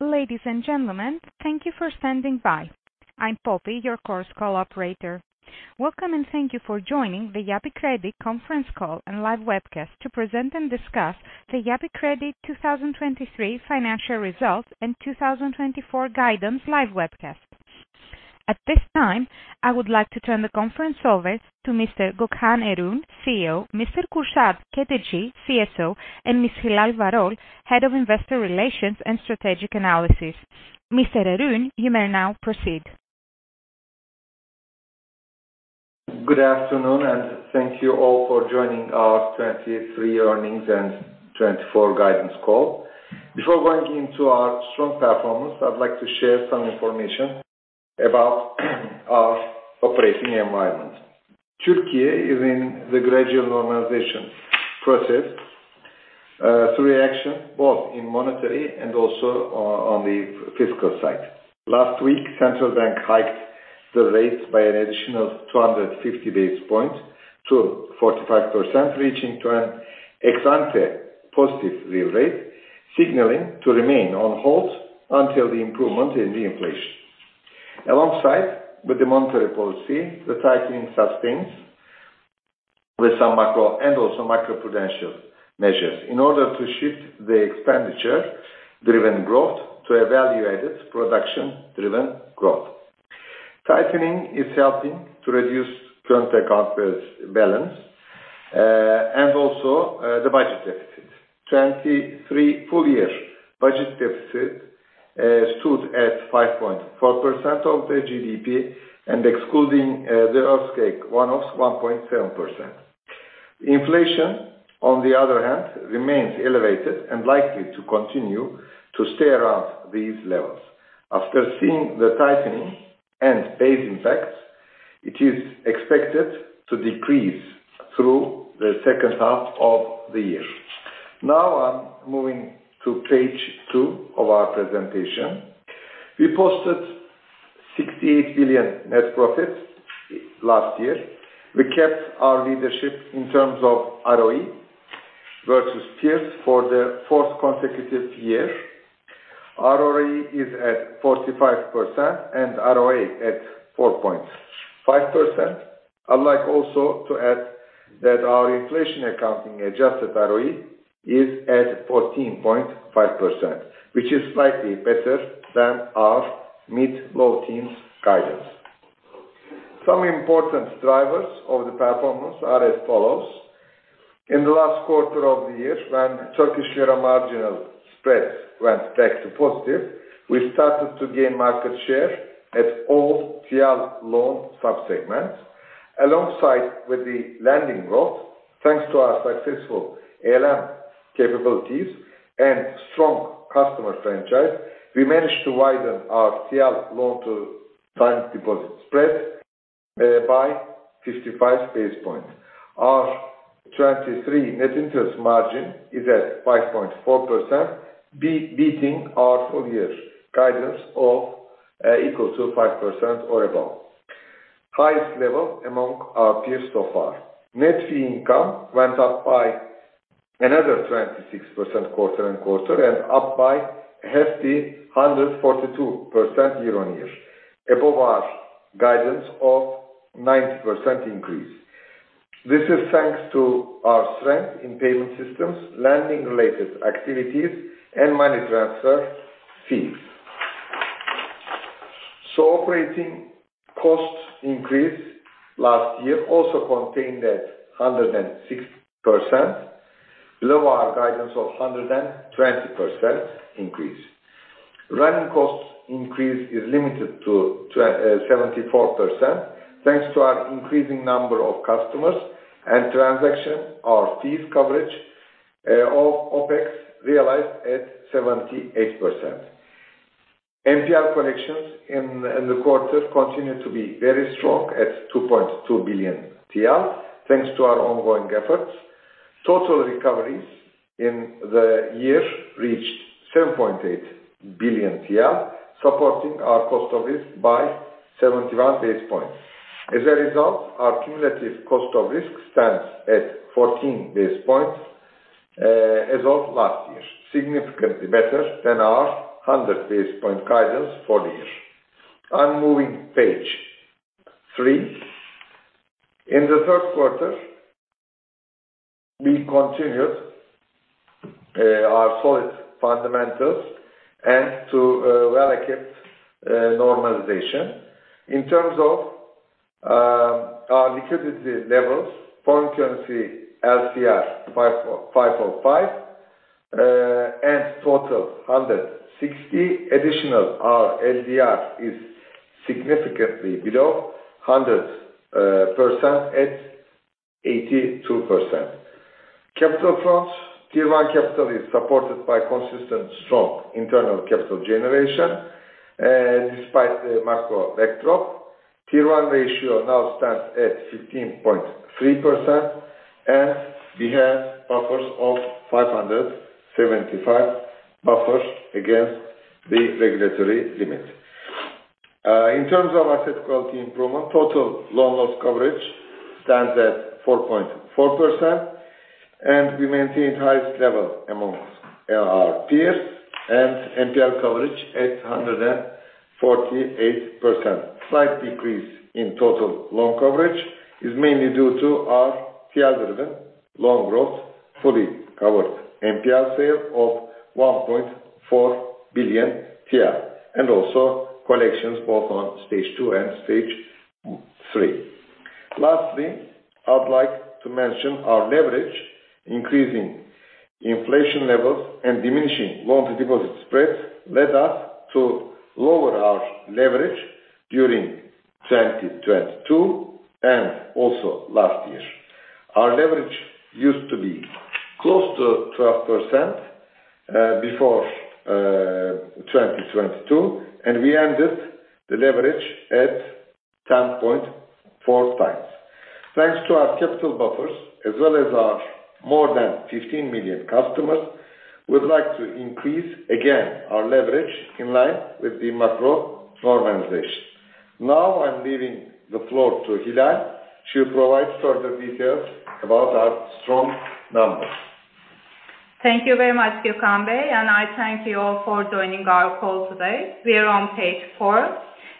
Ladies and gentlemen, thank you for standing by. I'm Poppy, your conference call operator. Welcome, and thank you for joining the Yapı Kredi conference call and live webcast to present and discuss the Yapı Kredi 2023 financial results and 2024 guidance live webcast. At this time, I would like to turn the conference over to Mr. Gökhan Erün, CEO, Mr. Kürşat Keteci, CFO, and Ms. Hilal Varol, Head of Investor Relations and Strategic Analysis. Mr. Erün, you may now proceed. Good afternoon, and thank you all for joining our 2023 earnings and 2024 guidance call. Before going into our strong performance, I'd like to share some information about our operating environment. Turkey is in the gradual normalization process through action, both in monetary and also on the fiscal side. Last week, Central Bank hiked the rates by an additional 250 basis points to 45%, reaching to an ex-ante positive real rate, signaling to remain on hold until the improvement in the inflation. Alongside with the monetary policy, the tightening sustains with some macro and also macro-prudential measures in order to shift the expenditure-driven growth to a value-added, production-driven growth. Tightening is helping to reduce current account balance and also the budget deficit. 2023 full year budget deficit stood at 5.4% of the GDP and excluding the earthquake, 1.7%. Inflation, on the other hand, remains elevated and likely to continue to stay around these levels. After seeing the tightening and base impacts, it is expected to decrease through the second half of the year. Now, I'm moving to page two of our presentation. We posted 68 billion net profits last year. We kept our leadership in terms of ROE versus tiers for the fourth consecutive year. ROE is at 45% and ROA at 4.5%. I'd like also to add that our inflation accounting adjusted ROE is at 14.5%, which is slightly better than our mid-low teens guidance. Some important drivers of the performance are as follows: In the last quarter of the year, when Turkish lira marginal spreads went back to positive, we started to gain market share at all TL loan sub-segments. Alongside with the lending growth, thanks to our successful ALM capabilities and strong customer franchise, we managed to widen our TL loan to time deposit spread by 55 basis points. Our 2023 net interest margin is at 5.4%, beating our full year guidance of equal to 5% or above. Highest level among our peers so far. Net fee income went up by another 26% quarter-over-quarter, and up by a hefty 142% year-on-year, above our guidance of 90% increase. This is thanks to our strength in payment systems, lending-related activities, and money transfer fees. So operating costs increase last year also contained at 106%, below our guidance of 120% increase. Running costs increase is limited to seventy-four percent, thanks to our increasing number of customers and transaction of fees coverage of OpEx realized at 78%. NPL collections in the quarter continued to be very strong at 2.2 billion TL, thanks to our ongoing efforts. Total recoveries in the year reached 7.8 billion TL, supporting our cost of risk by 71 basis points. As a result, our cumulative cost of risk stands at 14 basis points as of last year, significantly better than our 100 basis point guidance for the year. I'm moving page 3. In the third quarter, we continued our solid fundamentals and to well-kept normalization. In terms of our liquidity levels, foreign currency LCR 554 and total 160. Additional, our LDR is significantly below 100 percent at 82 percent. Capital fronts, Tier 1 capital is supported by consistent, strong internal capital generation despite the macro backdrop. Tier 1 ratio now stands at 15.3 percent, and we have buffers of 575 basis points against the regulatory limit. In terms of asset quality improvement, total loan loss coverage stands at 4.4 percent, and we maintained highest level amongst our peers and NPL coverage at 148 percent. Slight decrease in total loan coverage is mainly due to our TL driven loan growth, fully covered NPL sale of 1.4 billion, and also collections both on stage two and stage three. Lastly, I'd like to mention our leverage. Increasing inflation levels and diminishing loan to deposit spreads led us to lower our leverage during 2022 and also last year. Our leverage used to be close to 12%, before 2022, and we ended the leverage at 10.4x. Thanks to our capital buffers as well as our more than 15 million customers, we'd like to increase again our leverage in line with the macro normalization. Now I'm leaving the floor to Hilal. She'll provide further details about our strong numbers. Thank you very much, Gökhan Bey, and I thank you all for joining our call today. We are on page four.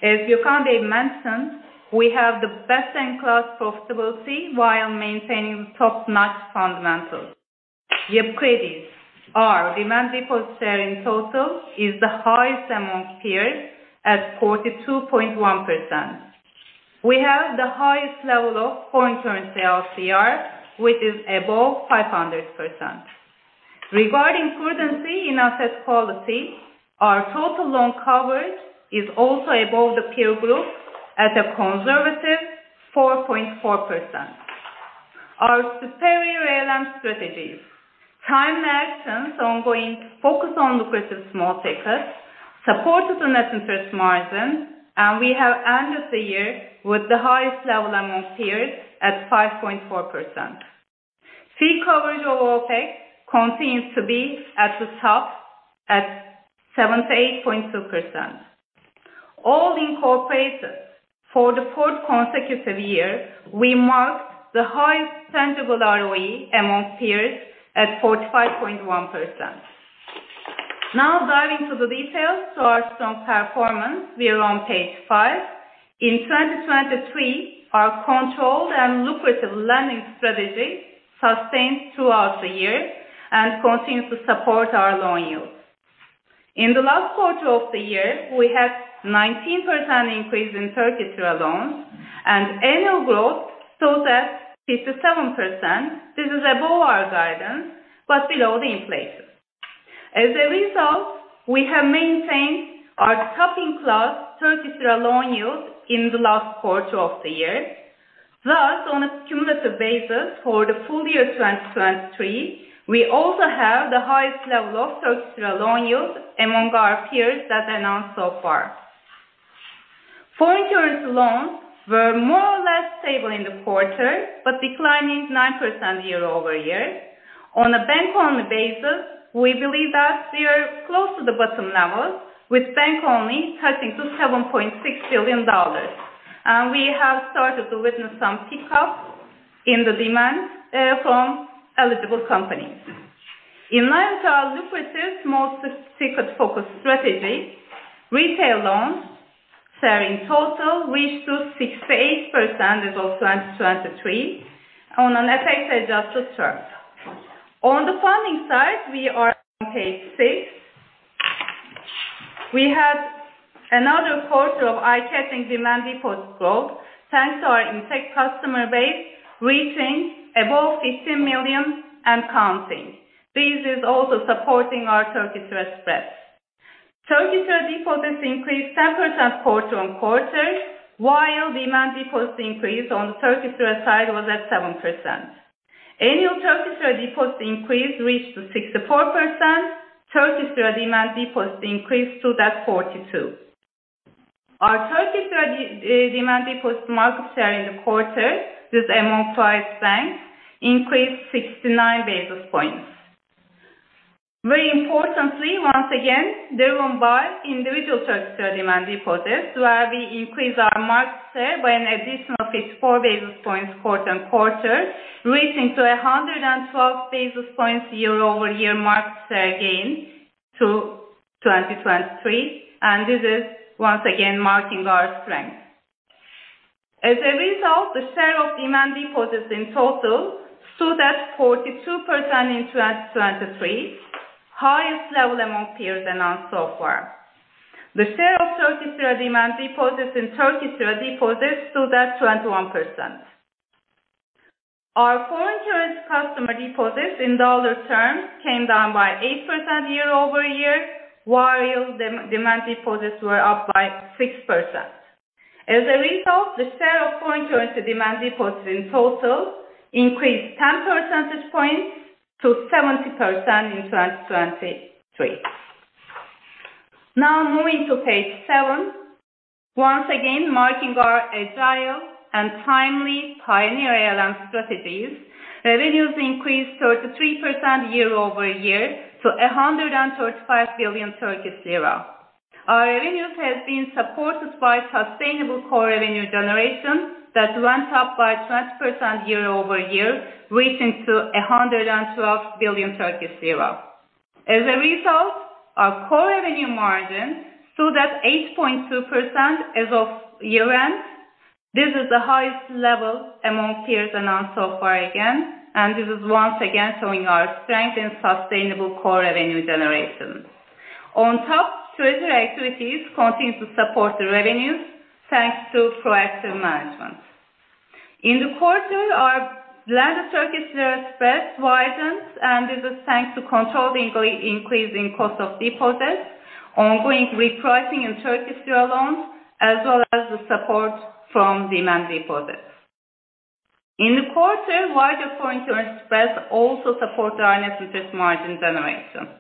As Gökhan Bey mentioned, we have the best-in-class profitability while maintaining top-notch fundamentals. Yapı Kredi, our demand deposit share in total is the highest among peers at 42.1%. We have the highest level of foreign currency LCR, which is above 500%. Regarding prudence in asset quality, our total loan coverage is also above the peer group at a conservative 4.4%. Our superior ALM strategies, timely actions, ongoing focus on lucrative small takers, supported the net interest margin, and we have ended the year with the highest level among peers at 5.4%. Fee coverage of OpEx continues to be at the top, at 78.2%. All in all, for the fourth consecutive year, we marked the highest tangible ROE among peers at 45.1%. Now diving to the details to our strong performance. We are on page five. In 2023, our controlled and lucrative lending strategy sustained throughout the year and continues to support our loan yields. In the last quarter of the year, we had 19% increase in Turkish lira loans and annual growth stood at 57%. This is above our guidance, but below the inflation. As a result, we have maintained our top-in-class Turkish lira loan yield in the last quarter of the year. Thus, on a cumulative basis for the full year 2023, we also have the highest level of Turkish lira loan yield among our peers that announced so far. Foreign currency loans were more or less stable in the quarter, but declining 9% year-over-year. On a bank-only basis, we believe that we are close to the bottom level, with bank only touching to $7.6 billion, and we have started to witness some pickup in the demand from eligible companies. In line with our lucrative small ticket-focused strategy, retail loans share in total reached to 68% as of 2023 on an FX-adjusted term. On the funding side, we are on page six. We had another quarter of eye-catching demand deposit growth, thanks to our intact customer base, reaching above 50 million and counting. This is also supporting our Turkish lira spreads. Turkish lira deposits increased 10% quarter-on-quarter, while demand deposits increase on the Turkish lira side was at 7%. Annual Turkish lira deposit increase reached to 64%. Turkish lira demand deposits increased to that 42. Our Turkish lira demand deposit market share in the quarter among five banks increased 69 basis points. Very importantly, once again, driven by individual Turkish lira demand deposits, where we increased our market share by an additional 54 basis points quarter-on-quarter, reaching to 112 basis points year-over-year market share gain to 2023, and this is once again marking our strength. As a result, the share of demand deposits in total stood at 42% in 2023, highest level among peers announced so far. The share of Turkish lira demand deposits in Turkish lira deposits stood at 21%. Our foreign currency customer deposits in dollar terms came down by 8% year-over-year, while demand deposits were up by 6%. As a result, the share of foreign currency demand deposits in total increased 10 percentage points to 70% in 2023. Now moving to page 7. Once again, marking our agile and timely pioneer ALM strategies, revenues increased 33% year-over-year to 135 billion Turkish lira. Our revenues have been supported by sustainable core revenue generation that went up by 20% year-over-year, reaching to 112 billion Turkish lira. As a result, our core revenue margin stood at 8.2% as of year-end. This is the highest level among peers announced so far again, and this is once again showing our strength in sustainable core revenue generation. On top, treasury activities continue to support the revenues, thanks to proactive management. In the quarter, our lending Turkish lira spread widens, and this is thanks to controlled increasing cost of deposits, ongoing repricing in Turkish lira loans, as well as the support from demand deposits. In the quarter, wider foreign currency spread also support our net interest margin generation.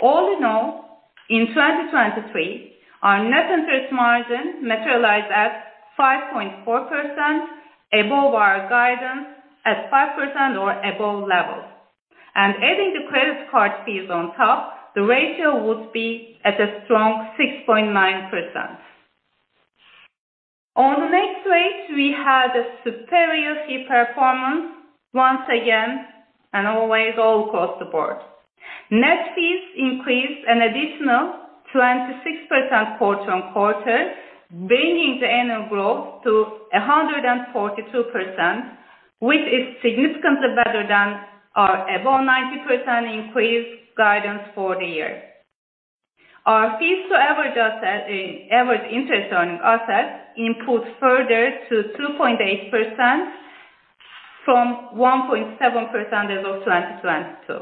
All in all, in 2023, our net interest margin materialized at 5.4% above our guidance at 5% or above level. And adding the credit card fees on top, the ratio would be at a strong 6.9%. On the next page, we had a superior fee performance once again and always all across the board. Net fees increased an additional 26% quarter-over-quarter, bringing the annual growth to 142%, which is significantly better than our above 90% increase guidance for the year. Our fees to average asset, average interest earning assets improved further to 2.8% from 1.7% as of 2022.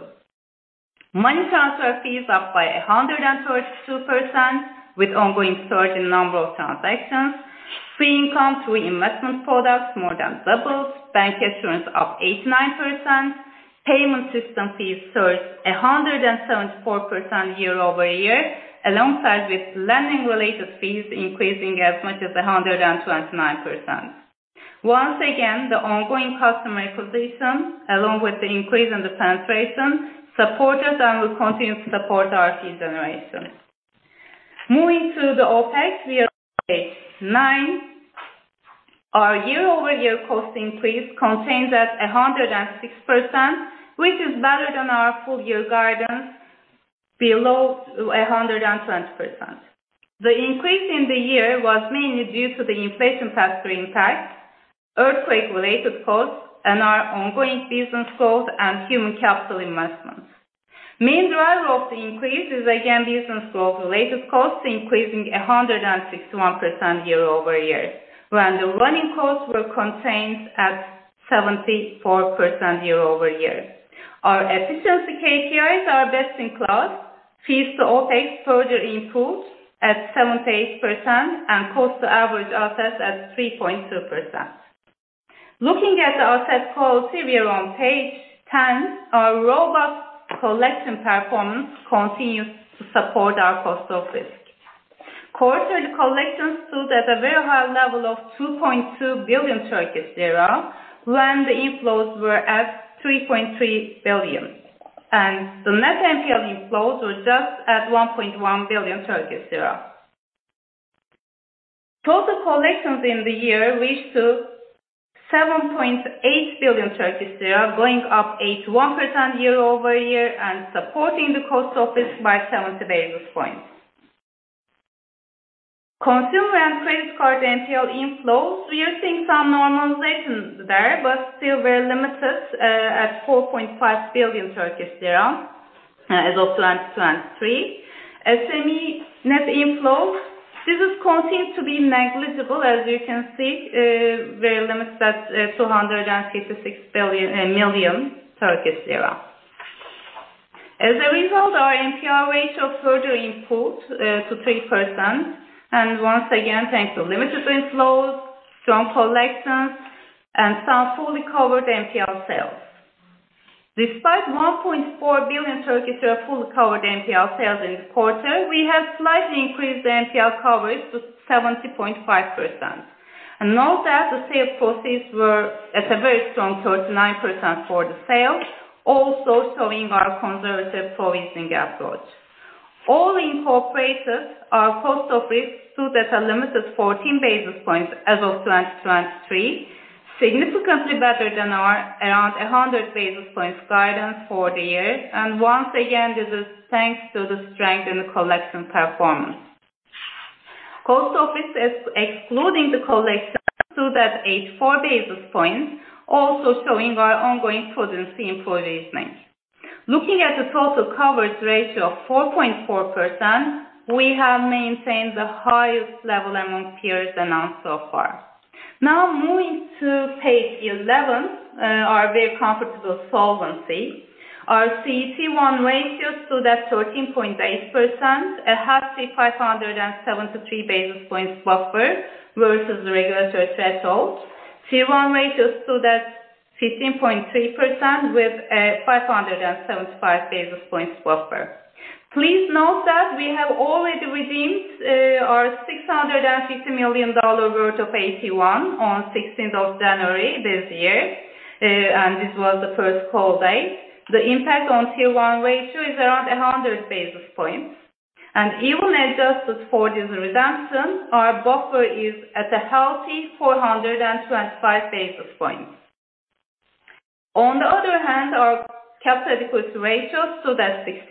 Money transfer fees up by 132%, with ongoing surge in number of transactions. Fee income through investment products more than doubled, bancassurance up 89%. Payment system fees surged 174% year-over-year, alongside with lending-related fees increasing as much as 129%. Once again, the ongoing customer acquisition, along with the increase in the penetration, supported and will continue to support our fee generation. Moving to the OpEx, we are page nine. Our year-over-year cost increase contains at 106%, which is better than our full year guidance below 120%. The increase in the year was mainly due to the inflation factoring impact, earthquake-related costs, and our ongoing business growth and human capital investments. Main driver of the increase is again, business growth-related costs, increasing 161% year-over-year, when the running costs were contained at 74% year-over-year. Our efficiency KPIs are best in class. Fees to OpEx further improved at 78% and cost to average assets at 3.2%. Looking at the asset quality, we are on page 10. Our robust collection performance continues to support our cost of risk. Quarterly collections stood at a very high level of 2.2 billion Turkish lira, when the inflows were at 3.3 billion, and the net NPL inflows were just at 1.1 billion Turkish lira. Total collections in the year reached to 7.8 billion Turkish lira, going up 81% year-over-year and supporting the cost of risk by 70 basis points. Consumer and credit card NPL inflows, we are seeing some normalization there, but still very limited at TRY 4.5 billion as of 2023. SME net inflow, this is continued to be negligible, as you can see, very limited at 256 million Turkish lira. As a result, our NPL ratio further improved to 3%, and once again thanks to limited inflows, strong collections, and some fully covered NPL sales. Despite 1.4 billion fully covered NPL sales in the quarter, we have slightly increased the NPL coverage to 70.5%. Note that the sale proceeds were at a very strong 39% for the sale, also showing our conservative provisioning approach. All in incorporated, our cost of risk stood at a limited 14 basis points as of 2023, significantly better than our around 100 basis points guidance for the year. Once again, this is thanks to the strength in the collection performance. Cost of risk excluding the collection stood at 84 basis points, also showing our ongoing prudence in provisioning. Looking at the total coverage ratio of 4.4%, we have maintained the highest level among peers announced so far. Now moving to page 11, our very comfortable solvency. Our CET1 ratio stood at 13.8%, a hefty 573 basis points buffer versus the regulatory threshold. Tier 1 ratio stood at 15.3% with a 575 basis points buffer. Please note that we have already redeemed our $650 million worth of AT1 on January 16, 2024, and this was the first call date. The impact on Tier 1 ratio is around 100 basis points, and even adjusted for this redemption, our buffer is at a healthy 425 basis points. On the other hand, our capital adequacy ratio stood at 16.9%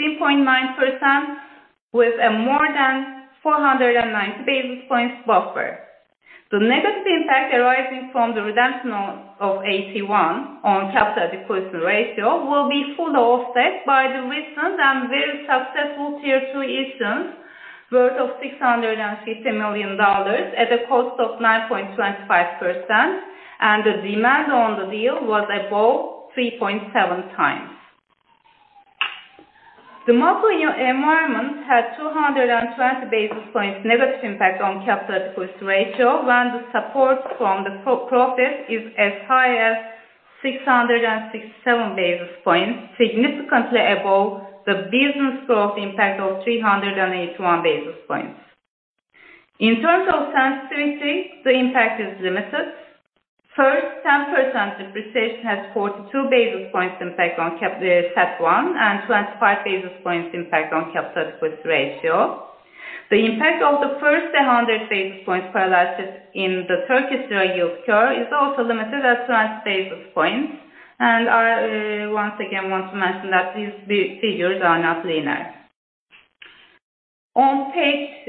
with a more than 490 basis points buffer. The negative impact arising from the redemption of AT1 on capital adequacy ratio will be fully offset by the recent and very successful Tier 2 issuance worth $650 million at a cost of 9.25%, and the demand on the deal was above 3.7 times. The macro environment had 220 basis points negative impact on capital adequacy ratio, when the support from the profit period is as high as 667 basis points, significantly above the business growth impact of 381 basis points. In terms of sensitivity, the impact is limited. First, 10% depreciation has 42 basis points impact on CET1, and 25 basis points impact on capital adequacy ratio. The impact of the first 100 basis points parallel in the Turkish yield curve is also limited at 20 basis points. And I once again want to mention that these figures are not linear. On page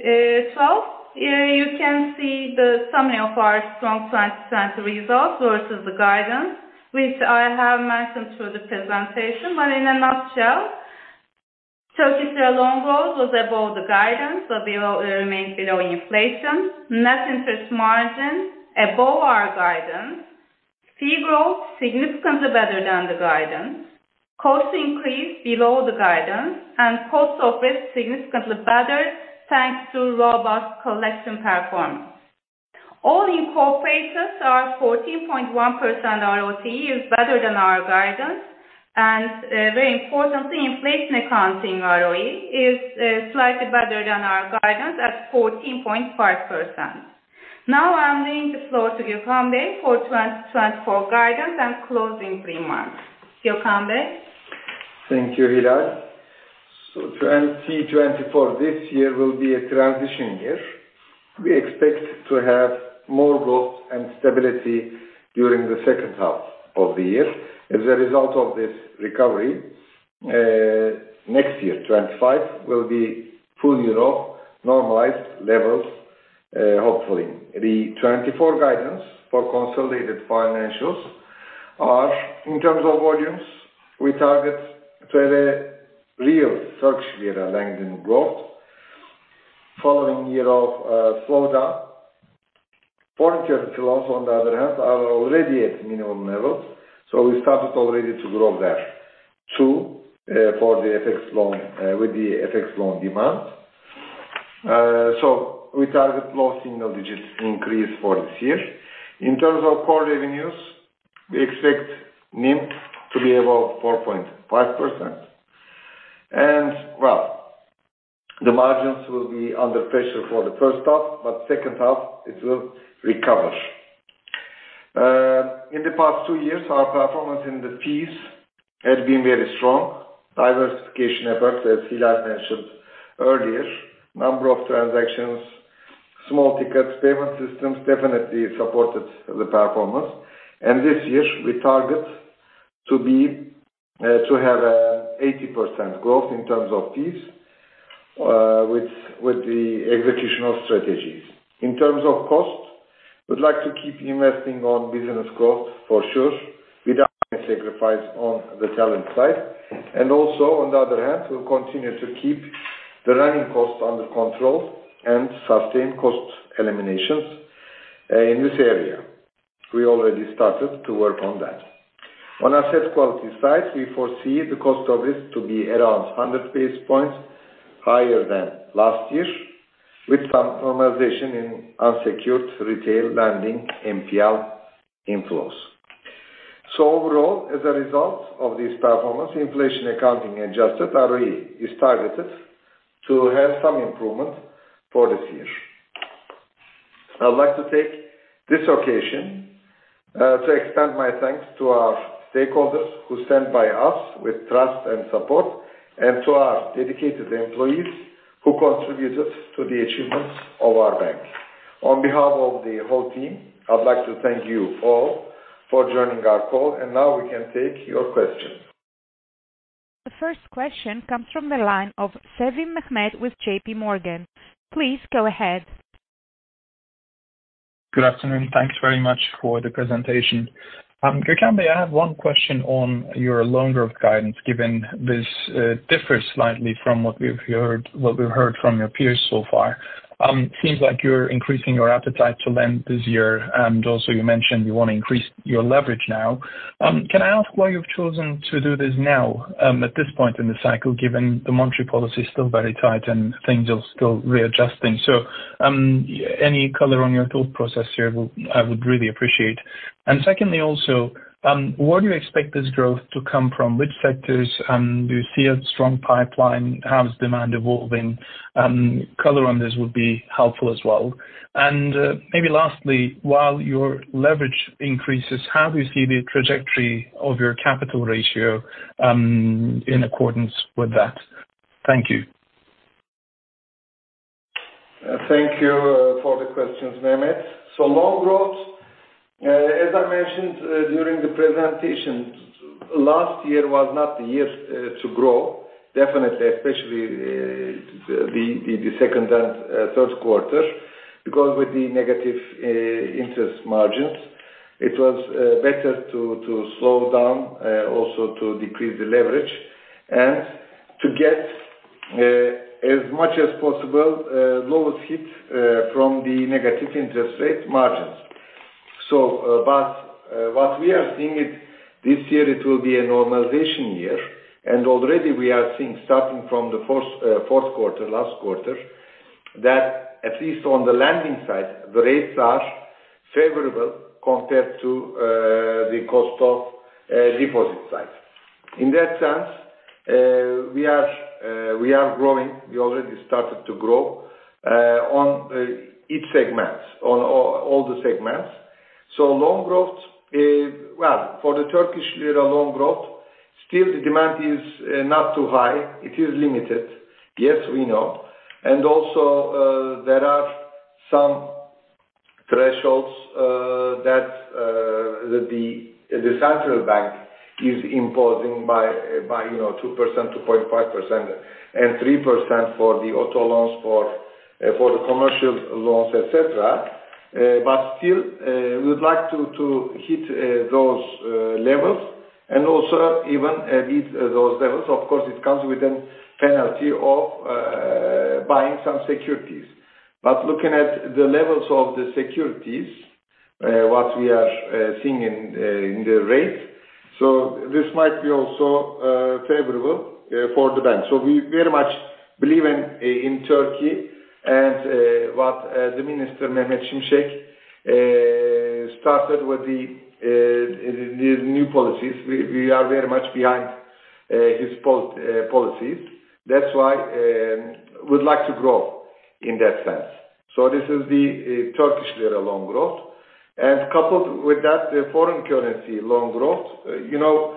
12 you can see the summary of our strong 2023 results versus the guidance, which I have mentioned through the presentation. But in a nutshell, Turkish lira loan growth was above the guidance, but it remains below inflation. Net interest margin above our guidance. Fee growth, significantly better than the guidance. Cost increase below the guidance and cost of risk, significantly better, thanks to robust collection performance. All in all, operators, our 14.1% ROTE is better than our guidance. Very importantly, inflation accounting ROE is slightly better than our guidance at 14.5%. Now I'm leaving the floor to Gökhan Bey for 2024 guidance and closing three months. Gökhan Bey? Thank you, Hilal. So 2024, this year will be a transition year. We expect to have more growth and stability during the second half of the year. As a result of this recovery, next year, 2025, will be full year of normalized levels, hopefully. The 2024 guidance for consolidated financials are: in terms of volumes, we target to a real Turkish lira lending growth following year of slowdown. Foreign currency loans, on the other hand, are already at minimum levels, so we started already to grow there too, for the FX loan, with the FX loan demand. So we target low single digits increase for this year. In terms of core revenues, we expect NIM to be above 4.5%. And well, the margins will be under pressure for the first half, but second half, it will recover. In the past two years, our performance in the fees had been very strong. Diversification efforts, as Hilal mentioned earlier, number of transactions, small tickets, payment systems, definitely supported the performance. And this year, we target to have an 80% growth in terms of fees, with the executional strategies. In terms of costs, we'd like to keep investing on business growth for sure, without any sacrifice on the talent side. And also, on the other hand, we'll continue to keep the running costs under control and sustain cost eliminations in this area. We already started to work on that. On asset quality side, we foresee the cost of risk to be around 100 basis points higher than last year, with some normalization in unsecured retail lending NPL inflows. So overall, as a result of this performance, inflation accounting adjusted ROE is targeted to have some improvement for this year. I'd like to take this occasion to extend my thanks to our stakeholders who stand by us with trust and support, and to our dedicated employees who contributed to the achievements of our bank. On behalf of the whole team, I'd like to thank you all for joining our call, and now we can take your questions. The first question comes from the line of Mehmet Sevim with J.P. Morgan. Please go ahead. Good afternoon. Thanks very much for the presentation. Gökhan Bey, I have one question on your loan growth guidance, given this differs slightly from what we've heard from your peers so far. Seems like you're increasing your appetite to lend this year, and also you mentioned you want to increase your leverage now. Can I ask why you've chosen to do this now, at this point in the cycle, given the monetary policy is still very tight and things are still readjusting? Any color on your thought process here, I would really appreciate. And secondly also, where do you expect this growth to come from? Which sectors do you see a strong pipeline? How is demand evolving? Color on this would be helpful as well. And maybe lastly, while your leverage increases, how do you see the trajectory of your capital ratio in accordance with that? Thank you. Thank you for the questions, Mehmet. So loan growth, as I mentioned, during the presentation, last year was not the year to grow, definitely, especially the second and third quarter, because with the negative interest margins, it was better to slow down, also to decrease the leverage and to get as much as possible lowest hit from the negative interest rate margins. So but what we are seeing is this year it will be a normalization year, and already we are seeing, starting from the fourth quarter, last quarter, that at least on the lending side, the rates are favorable compared to the cost of deposit side. In that sense, we are growing. We already started to grow on each segments, on all, all the segments. So loan growth, well, for the Turkish lira loan growth, still the demand is not too high. It is limited. Yes, we know. And also, there are some thresholds that the central bank is imposing by, by you know, 2%, 2.5%, and 3% for the auto loans, for the commercial loans, et cetera. But still, we would like to hit those levels and also even beat those levels. Of course, it comes with a penalty of buying some securities. But looking at the levels of the securities, what we are seeing in the rate, so this might be also favorable for the bank. So we very much believe in Turkey and what the Minister Mehmet Şimşek started with the new policies. We are very much behind his policies. That's why we'd like to grow in that sense. So this is the Turkish lira loan growth. And coupled with that, the foreign currency loan growth, you know,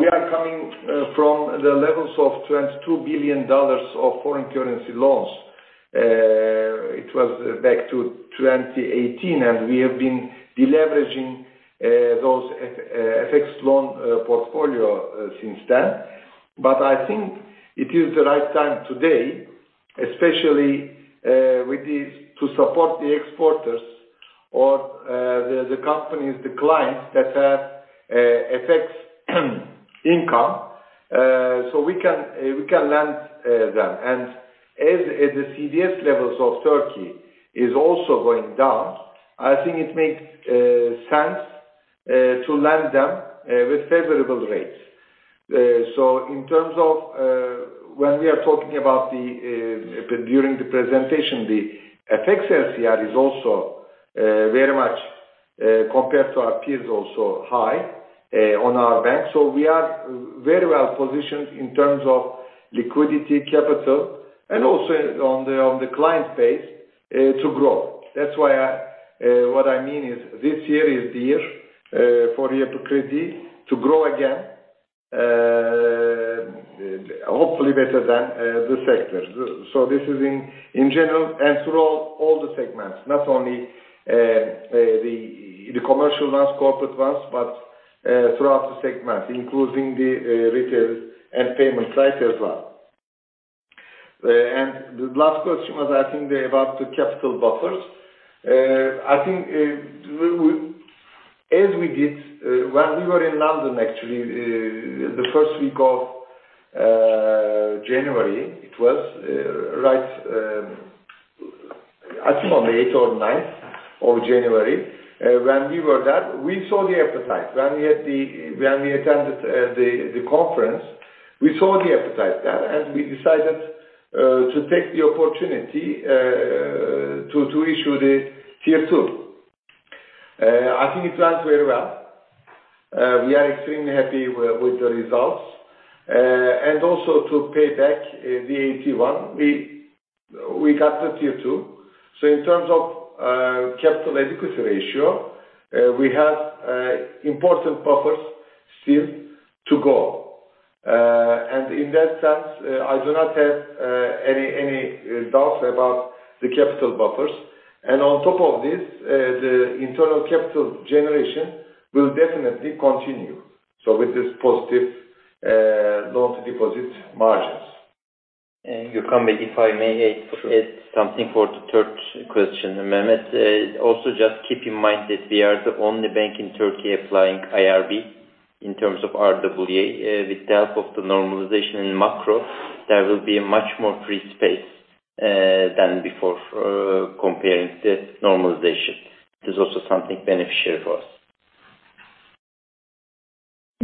we are coming from the levels of $22 billion of foreign currency loans. It was back to 2018, and we have been deleveraging those FX loan portfolio since then. But I think it is the right time today, especially with the to support the exporters or the companies, the clients that have FX income. So we can lend them. And as the CDS levels of Turkey is also going down, I think it makes sense to lend them with favorable rates. So in terms of when we are talking about during the presentation, the FX LCR is also very much compared to our peers, also high on our bank. So we are very well positioned in terms of liquidity, capital, and also on the client base to grow. That's why what I mean is this year is the year for Yapı Kredi to grow again, hopefully better than the sector. So this is in general and through all the segments, not only the commercial ones, corporate ones, but throughout the segments, including the retail and payment side as well. And the last question was, I think, about the capital buffers. I think, as we did, when we were in London, actually, the first week of January, it was, right, I think on the eighth or ninth of January, when we were there, we saw the appetite. When we attended the conference, we saw the appetite there, and we decided to take the opportunity to issue the Tier 2. I think it went very well. We are extremely happy with the results. And also to pay back the AT1, we got the Tier 2. So in terms of capital adequacy ratio, we have important buffers still to go. And in that sense, I do not have any doubts about the capital buffers. And on top of this, the internal capital generation will definitely continue. So with this positive loan-to-deposit margins. Gürkan Bey, if I may, add something for the third question, Mehmet. Also just keep in mind that we are the only bank in Turkey applying IRB in terms of RWA. With the help of the normalization in macro, there will be a much more free space, than before for comparing the normalization. There's also something beneficial for us.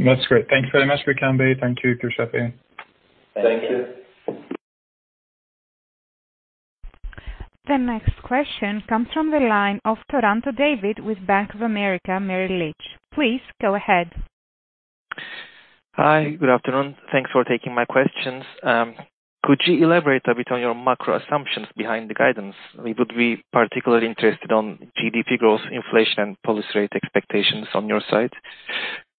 That's great. Thank you very much, Gökhan Bey. Thank you, Kürşad. Thank you. The next question comes from the line of David Taranto with Bank of America Merrill Lynch. Please go ahead. Hi, good afternoon. Thanks for taking my questions. Could you elaborate a bit on your macro assumptions behind the guidance? We would be particularly interested on GDP growth, inflation, and policy rate expectations on your side.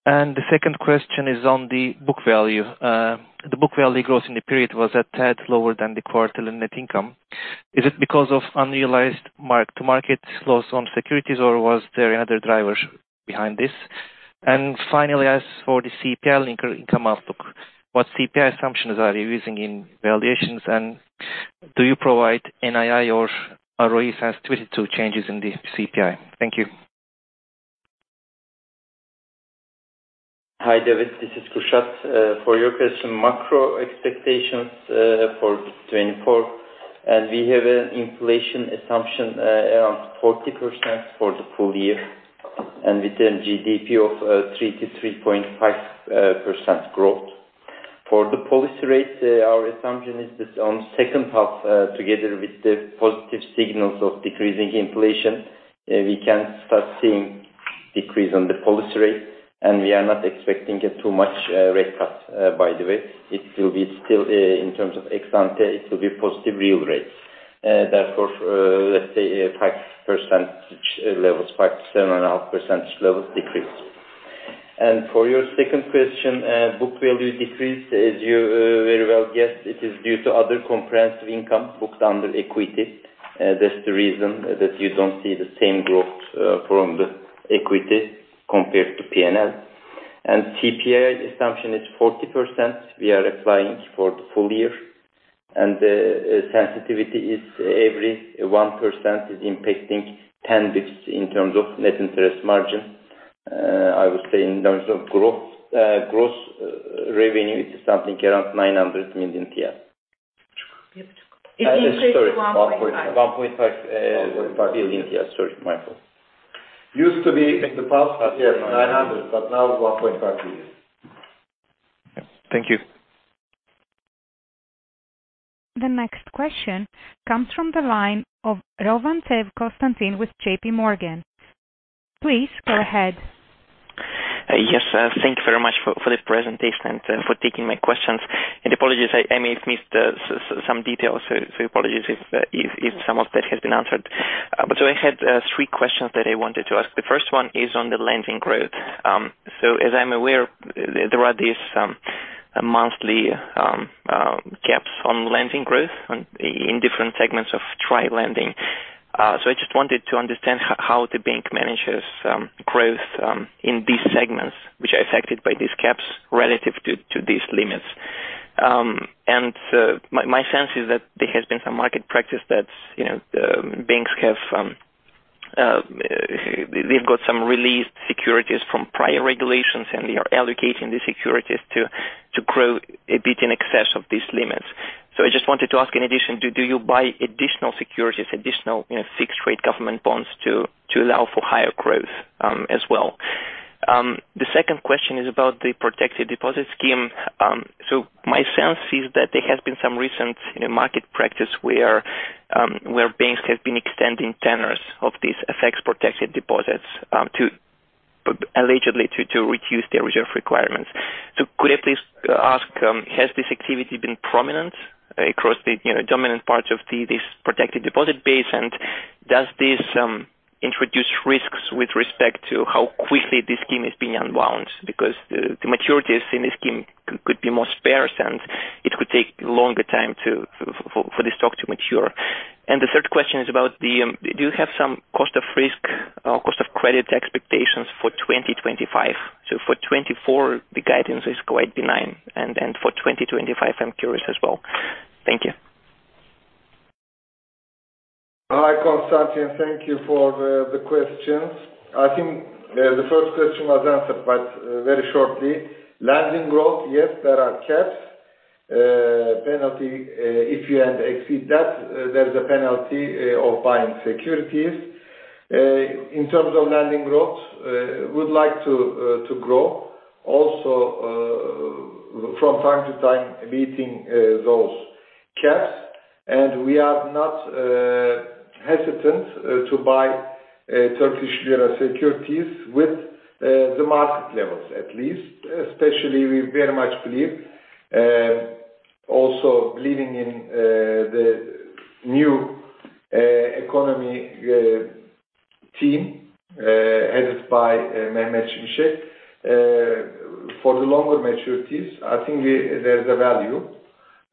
And the second question is on the book value. The book value growth in the period was a tad lower than the quarterly net income. Is it because of unrealized mark-to-market loss on securities, or was there any other drivers behind this? And finally, as for the CPI income outlook, what CPI assumptions are you using in valuations, and do you provide NII or ROE as to changes in the CPI? Thank you. Hi, David, this is Kürşat. For your question, macro expectations for 2024, and we have an inflation assumption around 40% for the full year, and within GDP of 3%-3.5% growth. For the policy rate, our assumption is this on second half, together with the positive signals of decreasing inflation, we can start seeing decrease on the policy rate, and we are not expecting too much rate cut, by the way. It will be still, in terms of example, it will be positive real rates. Therefore, let's say five percentage levels, 5%-7.5% percentage levels decrease. And for your second question, book value decrease, as you very well guessed, it is due to other comprehensive income booked under equity. That's the reason that you don't see the same growth from the equity compared to PNL. CPI assumption is 40%. We are applying for the full year, and sensitivity is every 1% is impacting 10 basis points in terms of net interest margin. I would say in terms of growth, gross revenue, it is something around 900 million. It increased to 1.5. 1.5 billion TRY. Sorry, my fault. Used to be in the past $900 million, but now it's $1.5 billion. Thank you. The next question comes from the line of Konstantin Rozantsev with JP Morgan. Please go ahead. Yes, thank you very much for this presentation and for taking my questions. Apologies, I may have missed some details, so apologies if some of that has been answered. But so I had three questions that I wanted to ask. The first one is on the lending growth. So as I'm aware, there are these monthly caps on lending growth in different segments of TRY lending. So I just wanted to understand how the bank manages growth in these segments, which are affected by these caps relative to these limits. My sense is that there has been some market practice that, you know, banks have, they've got some released securities from prior regulations, and they are allocating the securities to grow a bit in excess of these limits. So I just wanted to ask, in addition, do you buy additional securities, additional, you know, fixed rate government bonds to allow for higher growth, as well? The second question is about the protected deposit scheme. So my sense is that there has been some recent, you know, market practice where, where banks have been extending tenors of these FX-protected deposits, to allegedly to reduce their reserve requirements. So could I please ask, has this activity been prominent across the, you know, dominant parts of the, this protected deposit base? Does this introduce risks with respect to how quickly the scheme is being unwound? Because the maturities in the scheme could be more sparse, and it could take longer for the stock to mature. The third question is about, do you have some cost of risk or cost of credit expectations for 2025? For 2024, the guidance is quite benign. And for 2025, I'm curious as well. Thank you. Hi, Constantine. Thank you for the questions. I think the first question was answered, but very shortly. Lending growth, yes, there are caps. Penalty, if you exceed that, there is a penalty of buying securities. In terms of lending growth, we'd like to grow also from time to time, meeting those caps. And we are not hesitant to buy Turkish lira securities with the market levels at least. Especially, we very much believe, also believing in the new economy team headed by Mehmet Şimşek. For the longer maturities, I think we- there's a value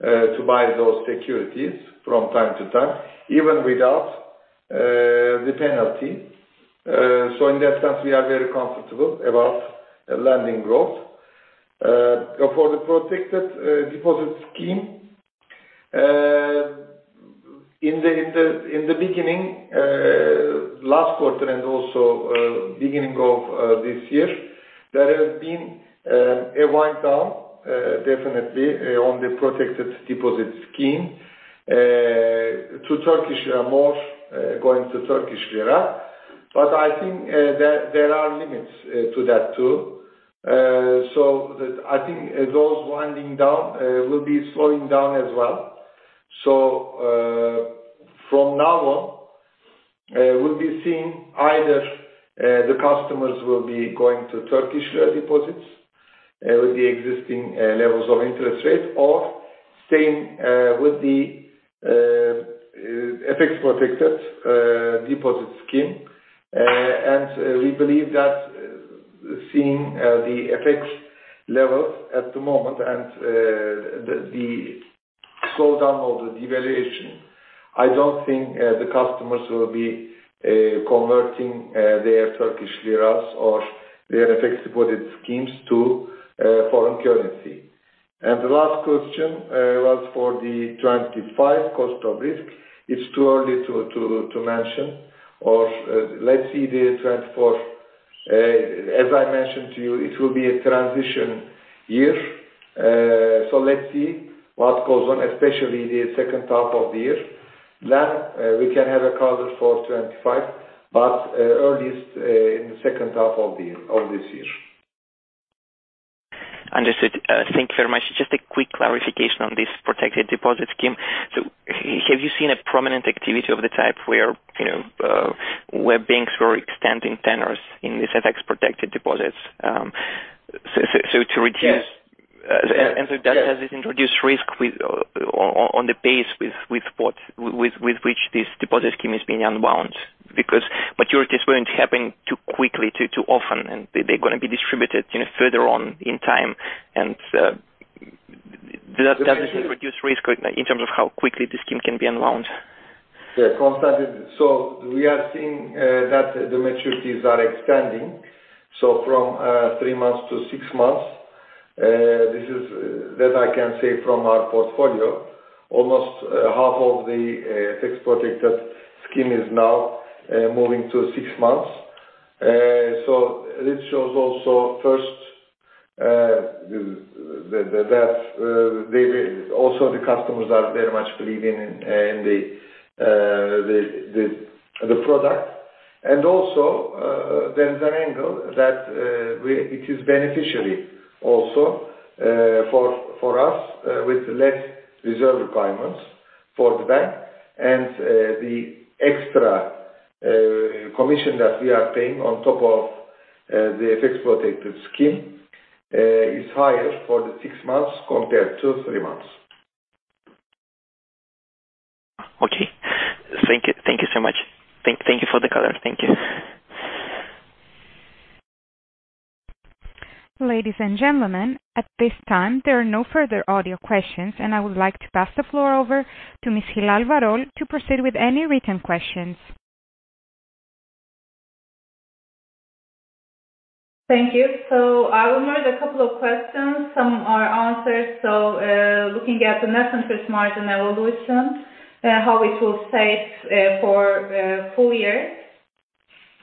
to buy those securities from time to time, even without the penalty. So in that sense, we are very comfortable about lending growth. For the protected deposit scheme, in the beginning last quarter and also beginning of this year, there has been a wind down definitely on the protected deposit scheme to Turkish lira more going to Turkish lira. But I think there are limits to that, too. So I think those winding down will be slowing down as well. So from now on we'll be seeing either the customers will be going to Turkish lira deposits with the existing levels of interest rates or staying with the FX protected deposit scheme. We believe that seeing the FX levels at the moment and the slowdown of the devaluation, I don't think the customers will be converting their Turkish liras or their FX supported schemes to foreign currency. The last question was for the 2025 cost of risk. It's too early to mention, or let's see the 2024. As I mentioned to you, it will be a transition year. So let's see what goes on, especially the second half of the year. Then we can have a conversation for 2025, but earliest in the second half of the year of this year. Understood. Thank you very much. Just a quick clarification on this protected deposit scheme. So have you seen a prominent activity of the type where, you know, where banks were extending tenors in this FX protected deposits? So to reduce- Yes. And so does it introduce risk with the pace at which this deposit scheme is being unwound? Because maturities weren't happening too quickly, too often, and they're gonna be distributed, you know, further on in time. And does it reduce risk in terms of how quickly the scheme can be unwound? Yeah, Constantine. So we are seeing that the maturities are extending, so from three months to six months. This is that I can say from our portfolio. Almost half of the FX protected scheme is now moving to six months. So it shows also first that they also the customers are very much believing in the product. And also there's an angle that we it is beneficial also for us with less reserve requirements for the bank. And the extra commission that we are paying on top of the FX protected scheme is higher for the six months compared to three months. Okay. Thank you, thank you so much. Thank you for the color. Thank you. Ladies and gentlemen, at this time, there are no further audio questions, and I would like to pass the floor over to Ms. Hilal Varol to proceed with any written questions. Thank you. So I will read a couple of questions. Some are answered, so looking at the net interest margin evolution, how it will stay for full year,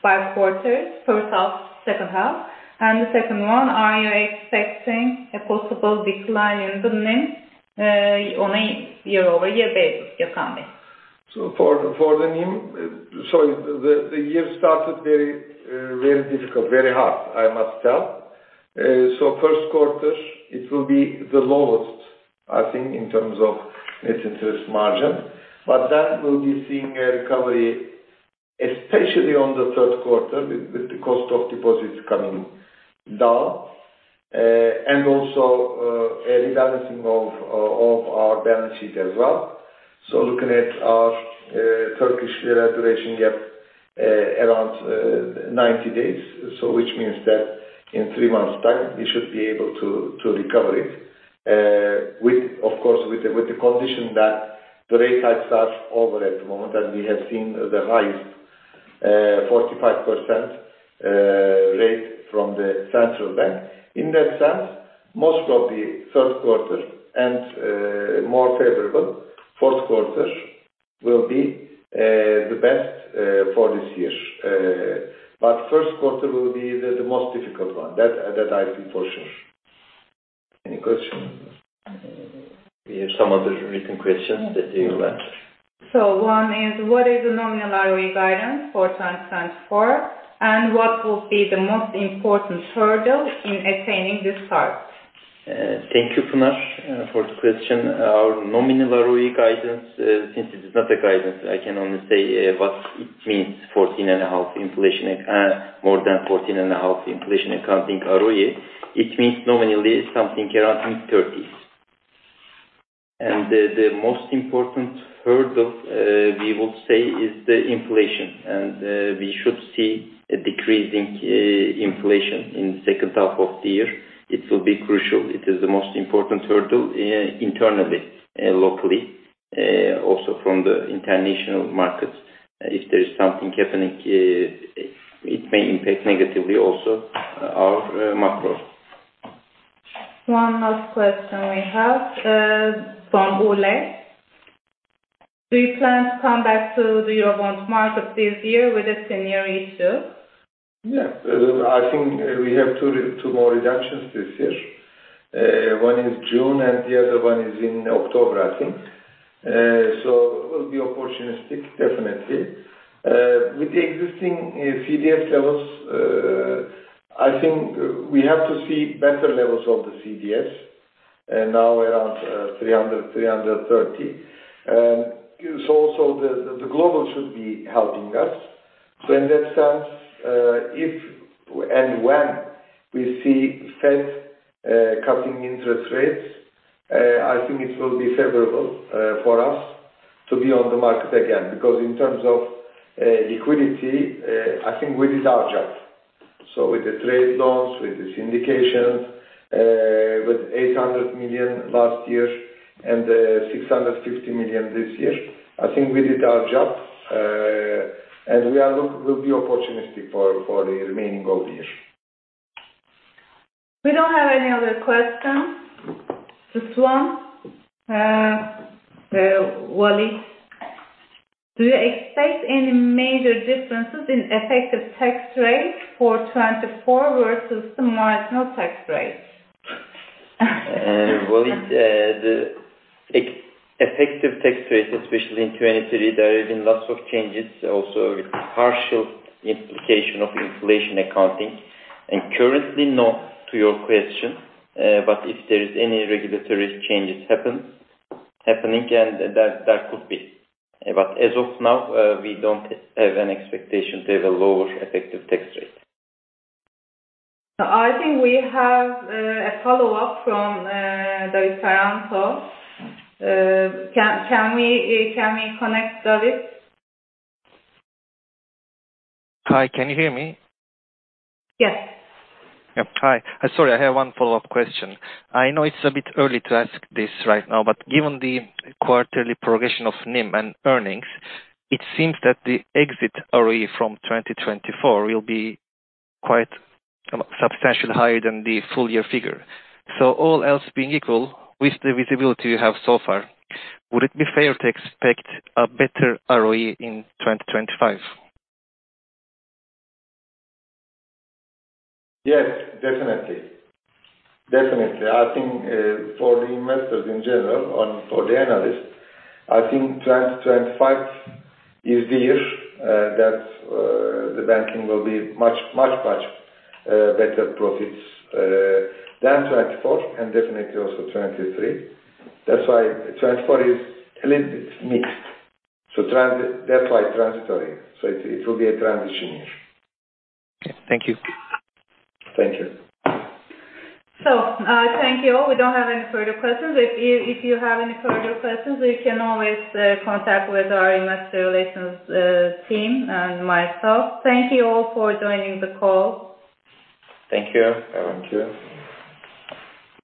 five quarters, first half, second half? And the second one, are you expecting a possible decline in the NIM on a year-over-year basis, year coming? So for the NIM, the year started very, very difficult, very hard, I must tell. First quarter, it will be the lowest, I think, in terms of net interest margin. But then we'll be seeing a recovery, especially on the third quarter, with the cost of deposits coming down, and also a rebalancing of our balance sheet as well. So looking at our Turkish lira duration gap, around 90 days. So which means that in three months' time, we should be able to recover it. With, of course, the condition that the rate hikes are over at the moment, and we have seen the rise, 45% rate from the central bank. In that sense, most of the third quarter and more favorable fourth quarter will be the best for this year. But first quarter will be the most difficult one. That I feel for sure. Any question? We have some other written questions that they will answer. One is: What is the nominal ROE guidance for 2024, and what will be the most important hurdle in attaining this target? Thank you, Panos, for the question. Our nominal ROE guidance, since it is not a guidance, I can only say, what it means 14.5% inflation, more than 14.5% inflation accounting ROE. It means nominally something around in thirties. The most important hurdle, we would say, is the inflation. We should see a decreasing inflation in the second half of the year. It will be crucial. It is the most important hurdle, internally, locally, also from the international markets. If there is something happening, it may impact negatively also our macro. One last question we have from Ulay. Do you plan to come back to the Eurobond market this year with a senior issue? ... Yeah, I think we have two more reductions this year. One in June, and the other one is in October, I think. So we'll be opportunistic, definitely. With the existing CDS levels, I think we have to see better levels of the CDS, and now around 300-330. So the global should be helping us. So in that sense, if and when we see Fed cutting interest rates, I think it will be favorable for us to be on the market again. Because in terms of liquidity, I think we did our job. So with the trade loans, with the syndications, $800 million last year and $650 million this year, I think we did our job, and we'll be opportunistic for the remaining of the year. We don't have any other questions. This one, Waleed: Do you expect any major differences in effective tax rates for 2024 versus the marginal tax rates? Well, the effective tax rates, especially in 2023, there have been lots of changes, also with partial implication of inflation accounting. And currently, no to your question, but if there is any regulatory changes happening, then that, that could be. But as of now, we don't have an expectation to have a lower effective tax rate. I think we have a follow-up from David Taranto. Can we connect David? Hi, can you hear me? Yes. Yeah. Hi. Sorry, I have one follow-up question. I know it's a bit early to ask this right now, but given the quarterly progression of NIM and earnings, it seems that the exit ROE from 2024 will be quite substantially higher than the full year figure. So all else being equal, with the visibility you have so far, would it be fair to expect a better ROE in 2025? Yes, definitely. Definitely. I think, for the investors in general or for the analyst, I think 2025 is the year, that, the banking will be much, much, much, better profits, than 2024 and definitely also 2023. That's why 2024 is a little bit mixed. So that's why transitory. So it, it will be a transition year. Okay. Thank you. Thank you. So, thank you all. We don't have any further questions. If you, if you have any further questions, you can always, contact with our investor relations, team and myself. Thank you all for joining the call. Thank you. Thank you.